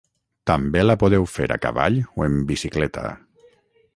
També la podeu fer a cavall o en bicicleta